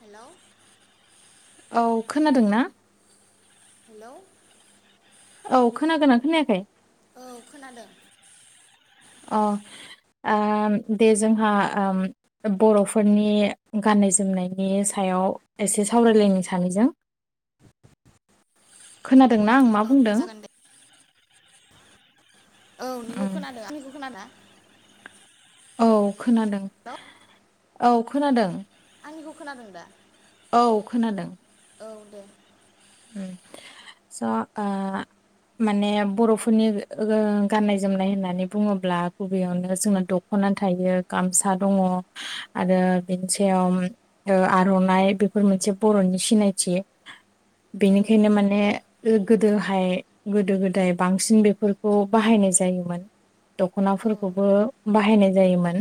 Hello औ खोनादों ना हेलौ औ खोनागोना खोनायाखै? औ खोनादों। अ ओ दे जोंहा ओम बर'फोरनि गाननाय जोमनायनि सायाव एसे सावरायलायनो सानैजों खोनादोंना आं मा औ बुंदों? जागोन दे औ नोंनिखौ उम खोनादों। आंनिखौ खोनादो ना? औ खोनादों हेलौ औ खोनादों। आंनिखौ खोनादों दा औ खोनादों औ दे स ओ माने बरफोरनि ओ गाननाय जोमनाय होननानै बुङोब्ला गुबैयावनो जोंना दखना थायो गामसा दङ आरो बिनि सायाव ओ आरनाइ बेफोर मोनसे बर'नि सिनायथि औ बेनिखायनो माने गोदोहाय गोदो गोदाय बांसिन बेफोरखौ बाहायनाय जायोमोन। औ दखनाफोरखौबो बाहायनाय जायोमोन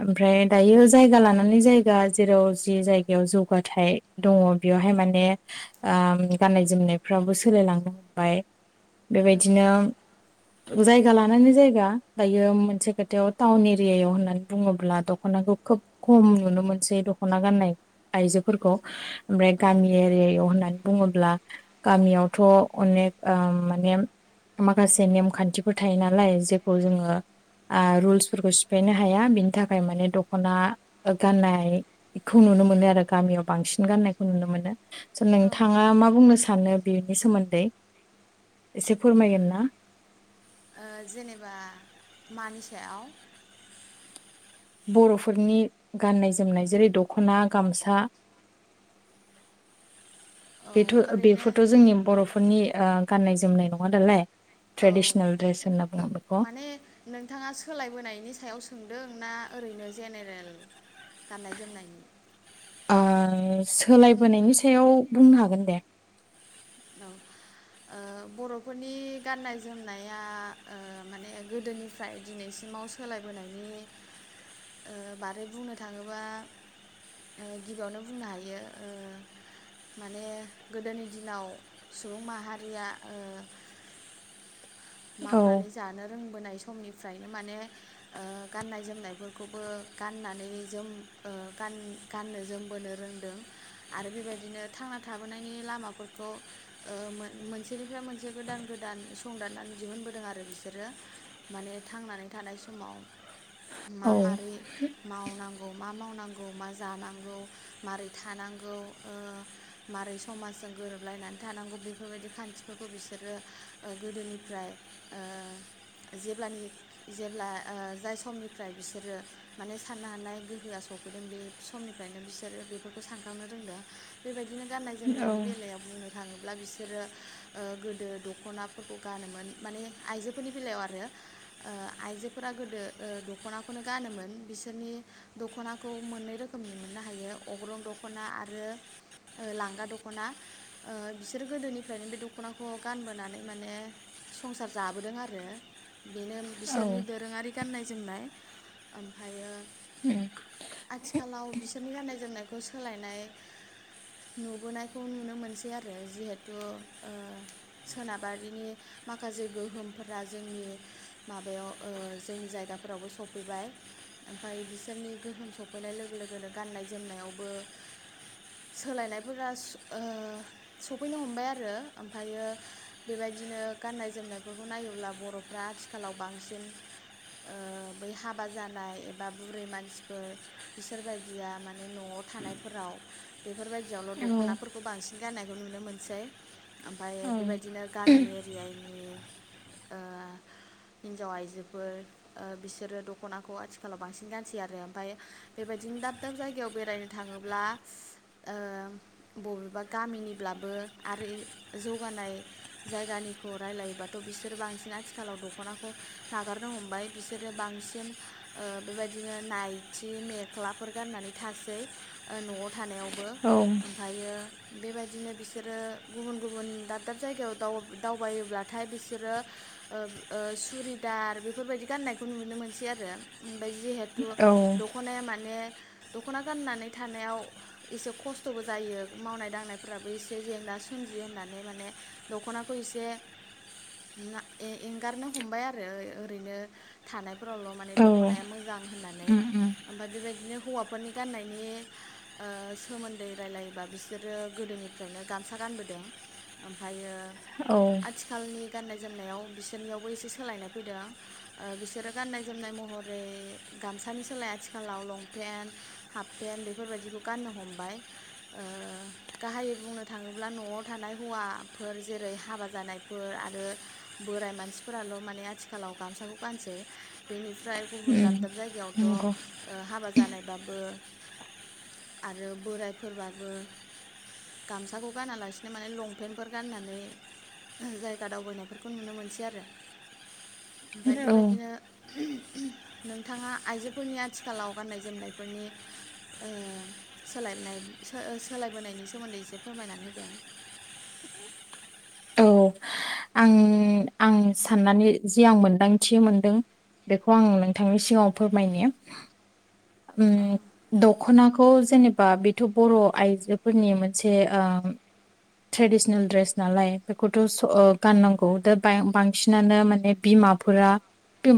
ओमफ्राय दायो जायगा लानानै जायगा जेराव जि जायगायाव जौगाथाय दङ बेयावहाय माने ओमगाननाय जोमनायफ्राबो सोलायलांनो हमबाय बेबायदिनो जायगा लानानै जायगा दायो मोनसे खोथायाव टाउन एरियायाव होननानै बुङोब्ला दखनाखौ खोब खम नुनो मोनसै दखना गाननाय आइजोफोरखौ। ओमफ्राय औ गामि एरियायाव होननानै बुङोब्ला गामियावथ अनेक माने माखासे नेमखान्थिफोर थायो नालाय जेखौ जोङो रुल्सफोरखौ सिफायनो हाया बिनि थाखाय माने दखना गाननायखौ नुनो मोनो आरो गामियाव बांसिन गाननायखौ नुनो मोनो स नों औ थाङा मा बुंनो सानो बेनि सोमोन्दै एसे फोरमायगोन ना? जेनेबा मानि सायाव? बर'फोरनि गाननाय जोमनाय जेरै दखना, गामसा औ बेथ' ओरैनो बेफोरथ' जोंनि बर'फोरनि गाननाय जोमनाय नङा दालाय, औ ट्रेडिसनेल ड्रेस होनना बुङो बेखौ माने नोंथाङा सोलायबोनायनि सायाव सोंदों ना ओरैनो जेनेरेल गाननाय जोमनायनि ओ सोलायबोनायनि सायाव बुंनो हागोन दे औ बर'फोरनि गाननाय जोमनाया माने गोदोनिफ्राय दिनैसिमाव सोलायबोनायनि बादै बुंनो थाङोबा गिबियावनो बुंनो हायो माने गोदोनि दिनाव सुबुं माहारिया ओ औ मावनानै जानो रोंबोनाय सम समनिफ्रायनो माने गाननाय जोमनायफोरखौबो गाननानै जोम गाननो जोमबोनो रोंदों आरो बेबायदिनो थांना थाबोनायनि लामाफोरखौ मोनसेनिफ्राय मोनसे गोदान गोदान संदाननानै दिहुनबोदों आरो बिसोरो माने थांनानै थानाय समाव औ मा मारै मावनांगौ। मा मावनांगौ मा जानांगौ माबारै थानांगौ मारै समाजजों गोरोबलायनानै थानांगौ बेफोरबायदि खान्थिफोरखौ बिसोरो गोदोनि फ्राय ओ जेब्लानि जेब्ला जाय समनिफ्राय बिसोरो माने साननो हानाय गोहोआ सफैदों बे समनिफ्रायनो बिसोरो बेफोरखौ सानखांनो रोंदों बेबायदिनो गाननाय औ जोमनायनि बेलायाव बुंनो थाङो अब्ला बिसोरो ओ गोदो दखनाफोरखौ गानोमोन माने आइजोफोरनि बेलायाव आरो आइजोफोरा गोदो दखनाखौनो गानोमोन बिसोरनि दखनाखौ मोननै रोखोमनि मोननो हायो अग्रं दखना आरो लांगा दखना बिसोरो गोदोनिफ्रायनो बे दखनाखौ गानबोनानै माने संसार जाबोदों आरो। बेनो औ बिसोरनि दोरोङारि गान्नाय जोमनाय ओमफ्रायो- उ आथिखालाव बिसोरनि गाननाय जोमनायखौ सोलायनाय नुबोनायखौ नुनो मोनसै आरो जिहेथु सोनाबारिनि माखासे गोहोमफोरा जोंनि माबायाव जोंनि जायगाफोरावबो सफैबाय ओमफ्राय बिसोरनि गोहोम सफैनाय लोगो लोगोनो गाननाय जोमनायावबो सोलायनायफोरा ओ सफैनो हमबाय आरो ओमफ्रायो बेबायदिनो गाननाय जोमनायफोरखौ नायोब्ला बर'फ्रा आथिखालाव बांसिन बै हाबा जानाय एबा बुरै मानसिफोर बिसोरबायदिया माने नआव थानायफोराव बेफोरबायदियावल दखनाफोरखौ बांसिन गाननायखौ नुनो मोनसै। ओमफ्राय बेबायदिनो गामिनि हिनजाव आइजोफोर बिसोरो दखनाखौ आथिखालाव बांसिन गानसै आरो ओमफ्राय बेबायदिनो दाब दाब जायगायाव बेरायनो थाङोब्ला बबेबा गामिनिब्लाबो आरो जौगानाय जायगानि खौ रायलायोबाथ बिसोर बांसिन आथिखालाव दखनाखौ नागारनो हमबाय बिसोरो बांसिन ओ बेबायदिनो नायथि मेख्लाफोर गाननानै थासै ओ न'आव थानायावबो औ ओमफ्रायो बेबायदिनो बिसोरो गुबुन गुबुन दाब दाब जायगायाव दाव दावबायोब्लाथाय बिसोरो ओ ओ सुरिदार बेफोरबायदि गाननायखौ नुनो मोनसै आरो ओमफ्राय जिहेत तु दखनाया माने दखना गाननानै थानायाव एसे खस्थबो जायो मावनाय दांनायफ्राबो एसे जेंना सोमजियो होननानै माने दखना खौ एसे ना ए-एंगारनो हमबाय आरो ओरैनो थानाय फोरावल माने औ दखनाया मोजां होननानै उम उम ओमफाय बेबायदिनो हौवाफोरनि गाननायनि ओ सोमोन्दै रायलायोबा बिसोरो गोदोनिफ्रायनो गामसा गानबोदों ओमफायो औ आथिखालनि गाननाय जोमनायाव बिसोरनियावबो एसे सोलायनाय फैदों ओ बिसोरो गाननाय जोमनाय महरै गामसानि सोलाय आथिखालाव लंपेन्ट हाफ पेन्ट बेफोरबायदिखौ गाननो हमबाय ओ गाहायै बुंनो थाङोब्ला न'आव थानाय हौवाफोर जेरै हाबा जानायफोर आरो बोराय मानसिफोराल माने आथिखालाव गामसाखौ गानसै बेनि ओमफ्राय गुबुन उम दाब दाब जायगायावथ ओ नंगौ हाबा जानाय बाबो आरो बोरायफोरबाबो गामसाखौ गानालासिनो माने लंपेन्टफोर गाननानै जायगा दावबायनायफोरखौ नुनो मोनसै आरो ओमफ्राय औ बेबायदिनो नोंथांङा आइजोफोरनि आथिखालाव गाननाय जोमनायफोरनि ओ सोलायनाय सो ओ सोलायबोनायनि सोमोन्दै एसे फोरमायनानै होदो। औ आं आं साननानै जि आं मोनदांथि मोनदों बेखौ आं नोंथांनि सिगाङाव फोरमायनि उम औ दखना खौ जेनेबा बेथ बर' आइजोफोरनि मोनसे ओ ट्रेडिसनेल ड्रेस नालाय बेखौथ स गाननांगौ दा बा-बांसिनानो माने बिमाफोरा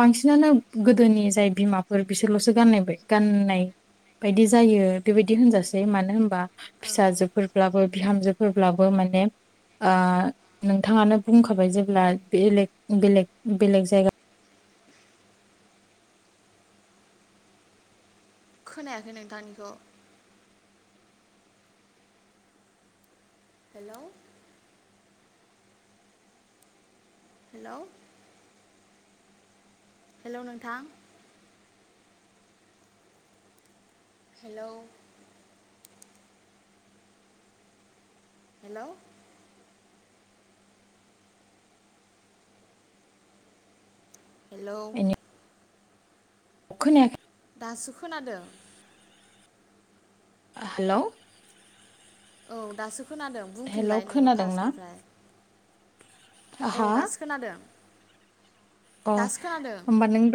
बांसिनानो गोदोनि जाय बिमाफोर बिसोरल सो गाननाय बाय गाननाय बायदि जायो बेबायदि होनजासै मानो होनबा फिसाजोफोरब्लाबो बिहामजो फोरब्लाबो माने ओ नोंथाङानो बुंखाबाय जेब्ला बेलेग बेलेग बेलेग जायगा खोनायाखै नोंथांनिखौ। हेलौ हेलौ हेलौ नोंथां। हेलौ। हेलौ हेलौ जायगा खोनायाखै दासो खोनादो। हेलौ औ दासो खोनादों हेलौ बुंफिनलाय नोङो खोनादोंना फार्स्टनिफ्राय औ हा दासो खोनादों अ दासो खोनादों होमबा नों द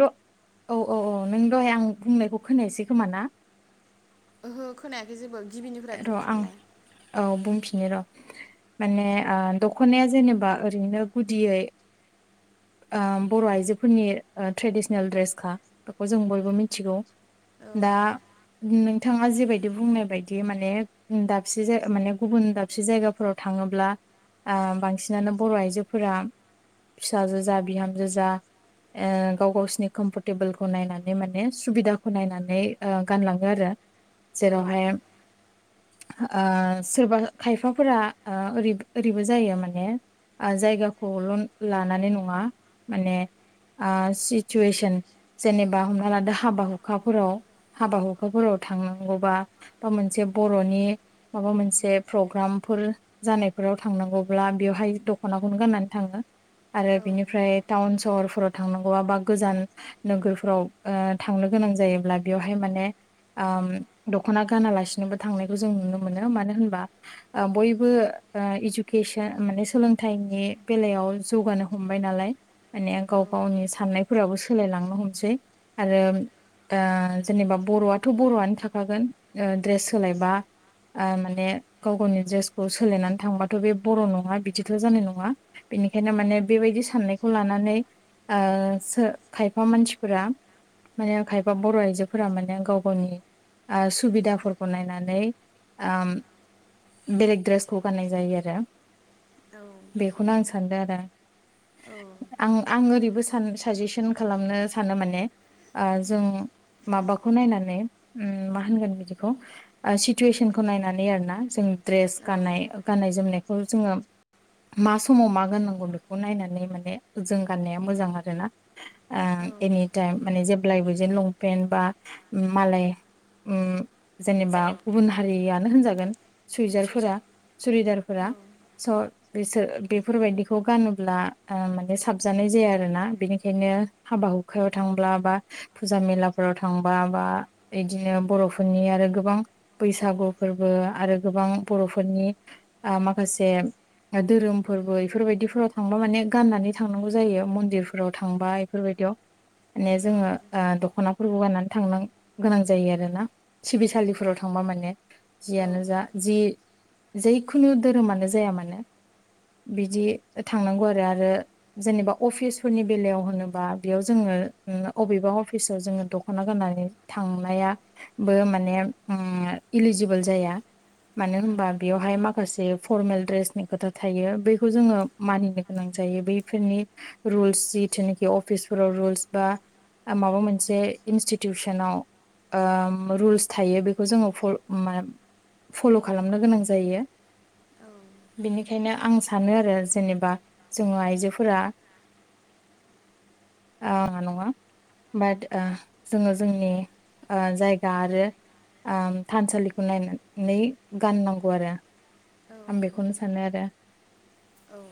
औ औ औ नों दहाय आं बुंनायखौ खोनायसै खोमा ना? ओ हो खोनायाखै जेबो गिबिनिफ्राय र आं बुंफिनलाय औ बुं फिननि र माने ओ दखनाया जेनेबा ओरैनो गुदियै ओ बर आइजोफोरनि ओ ट्रेडिसनेल ड्रेसखा बेखौ जों बयबो मिथिगौ दा औ नोंथाङा जेबायदि बुंनाय बाय बिदि माने उम दाबसे जाय माने गुबुन दाबसे जायगाफोराव थाङोब्ला ओ बांसिनानो बर आइजोफोरा फिसाजो जा बिहामजो जा ओ गाव गावसिनि कम्फरटेबोलखौ नायनानै माने सुबिदाखौ नायनानै ओ गानलाङो आरो औ जेरावहाय ओ सोरबा खायफाफोरा ओ ओरै ओरैबो जायो माने ओजायगाखौल लानानै नङा माने ओ सिचुवेसन जेनेबा हमना लादो हाबा हुखाफोराव हाबा हुखाफोराव थांनांगौबा बा मोनसे बरनि माबा मोनसे प्रग्रामफोर जानायफोराव थांनांगौब्ला बेवहाय दखनाखौनो गाननानै थाङो आरो औ बिनिफ्राय टाउन सहर फोराव थानांगौबा बा गोजान नोगोरफोराव ओ थांनो गोनां जायोला बेवहाय माने ओम दखना गानालासिनोबो थांनायखौ जों नुनो मोनो मानो होनबा ओ बयबो ओ इजुकेसन माने सोलोंथाइनि बेलायाव जौगानो हमबाय नालाय माने गाव गावनि साननाय फोराबो सोलायलांनो हमसै आरो दा जेनेबा बरआथ बरआनो थाखागोन ओ ड्रेस सोलायबा ओ माने गाव गावनि ड्रेसखौ सोलायनानै थांबाथ बे बर नङा बिदिथल जानाय नङा बिनिखायनो माने बेबायदि साननायखौ लानानै ओ सो खायफा मानसिफोरा माने खायफा बर आइजोफोरा माने गाव गावनि ओ सु सुबिदाफोरखौ नायनानै आम बेलेग द्रेसखौ गाननाय जायो आरो औ बेखौनो आं सानदों आरो दा औ आं-आं ओरैबो सा सान साजेसन खालामनो सानो माने ओ जों माबाखौ नायनानै उम मा होनगोन बिदिखौ ओ सिटुवेसनखौ नायनानै आरो ना आं जों द्रेस औ गाननाय गाननाय जोमनाय खौ जोङो मा समाव मा गाननांगौ बेखौ नायनानै माने जों गाननाया मोजां आरोना ओ औ एनि थाइम माने जे जेब्लायबो जे लंपेन्ट बा मालाय ओम जेनोबा जेनेबा गुबुन हारिया होनजागोन सुइजारफोरा सुइजार सुरिदारफोरा औ स' बिसोर बेफोरबायदिखौ गानोब्ला माने साबजानाय जाया आरोना बेनिखायनो हाबा हुखायाव थांब्ला बा फुजा मेलाफोराव थांबा बा बिदिनो बर फोरनि आरो गोबां बैसागु फोरबो आरो गोबां बर'फोरनि माखासे धोरोम फोरबो इफोरबायदिफोराव थांबा माने गाननानै थांनांगौ जायो मन्दिरफोराव थांबा इफोरबायदियाव। माने जोङो ओ औ दखना फोरबो गायनानै थांनो गोनां जायो आरोना सिबिसालिफोराव थांबा माने जियानो औ जा जि जैखुनु धोरोमानो जाया मानो बिदि थांनांगौ आरो आरो जेनेबा अफिसफोरनि बेलायाव होनोबा बेयाव जोङो ओ अबेबा अफिसाव जोङो दखना गाननानै थांनाया बो माने ओ इलिजिबोल जाया। मानो औ होनबा बेवहाय मा माखासे फरमेल ड्रेसनि खोथा थायो बिखौ जोङो मानिनो गोनां जायो बैफोरनि रुल्स जिथुनाखि अफिसफोराव रुल्स बा माबा मोनसे इन्स्टिटिउसनाव ओ रुल्स थायो बेखौ जोङो फल मा फल' खालामनो गोनां जायो। औ [inaudible] बेनिखायनो। आं सानो आरो जेनेबा जोङो आइजोफोरा ओ नङा बाट ओ जोङो जोंनि जाय दा आरो ओम थानसालिखौ नायनानै गाननांगौ आरो। औ आं बेखौनो सानो आरो। औ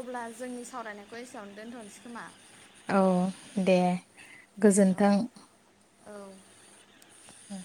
अब्ला जोंनि सावरायनायखौ एसेयावनो दोनथनोसै खोमा। औ दे औ गोजोन्थों। औ उम।